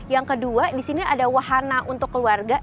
yang kedua di sini ada wahana untuk keluarga